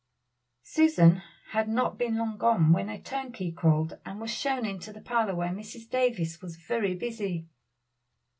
Susan had not been long gone when a turnkey called, and was shown into the parlor where Mrs. Davies was very busy.